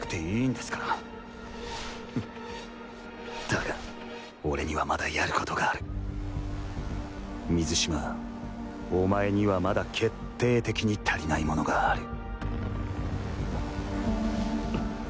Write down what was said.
だが俺にはまだやることがある水嶋お前にはまだ決定的に足りないものがある